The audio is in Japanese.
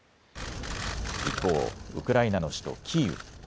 一方、ウクライナの首都キーウ。